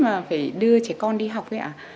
mà phải đưa trẻ con đi học ấy ạ